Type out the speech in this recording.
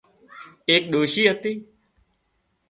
ايڪ ڏوشي هتي